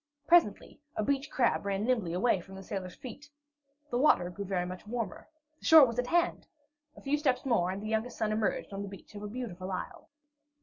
Presently a beach crab ran nimbly away from beneath the sailor's feet. The water grew very much warmer. The shore was at hand! A few steps more, and the youngest son emerged on the beach of a beautiful isle.